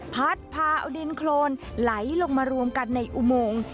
พัดพาเอาดินโครนไหลลงมารวมกันในอุโมง